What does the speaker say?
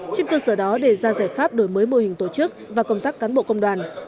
trên cơ sở đó đề ra giải pháp đổi mới mô hình tổ chức và công tác cán bộ công đoàn